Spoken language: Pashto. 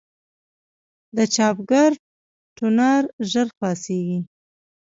د چاپګر ټونر ژر خلاصېږي.